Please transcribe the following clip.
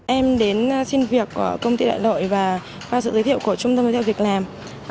em đến xin việc ở công ty đại lội và qua sự giới thiệu của trung tâm giới thiệu việc làm